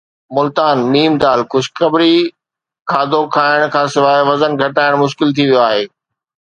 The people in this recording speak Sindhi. ملتان (م ڊ) خوشخبري کاڌو کائڻ کانسواءِ وزن گھٽائڻ مشڪل ٿي ويو آهي.